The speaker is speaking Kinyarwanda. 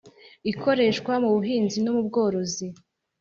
ikoreshwa mu buhinzi no mu bworozi .